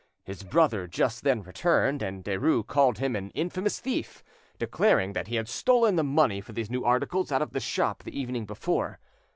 His brother just then returned, and Derues called him an infamous thief, declaring that he had stolen the money for these new articles out of the shop the evening before.